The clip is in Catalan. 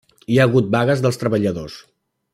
Hi ha hagut vagues dels treballadors.